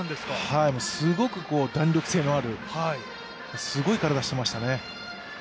すごく弾力性のある、すごい体してましたね。